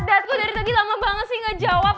dad kok dari tadi lama banget sih gak jawab